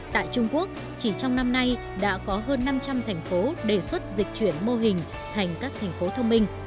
tại trung quốc chỉ trong năm nay đã có hơn năm trăm linh thành phố đề xuất dịch chuyển mô hình thành các thành phố thông minh